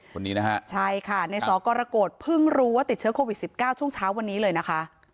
คนนี้นะฮะใช่ค่ะในสกรกฏเพิ่งรู้ว่าติดเชื้อโควิด๑๙ช่วงเช้าวันนี้เลยนะคะ